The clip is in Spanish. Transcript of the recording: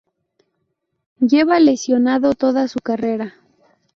Lleva lesionado toda su carrera.